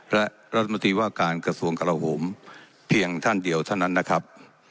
และรัฐมนตรีว่าการกระทรวงกราโหมเพียงท่านเดียวเท่านั้นนะครับ